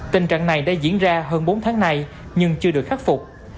tình trạng này đã diễn ra hơn bốn tháng nay nhưng chưa được khắc phục